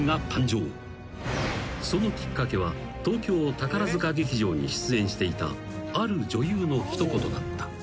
［そのきっかけは東京宝塚劇場に出演していたある女優の一言だった］